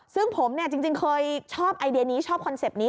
ซึ่งผมเนี่ยจริงเคยชอบไอเดียนี้ชอบคอนเซ็ปต์นี้